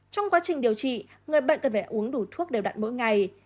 trong quá trình điều trị người bệnh cần phải uống đủ thuốc đều đặn mỗi ngày